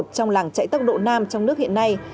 trong làng chạy tốc độ nam trong nước hiện nay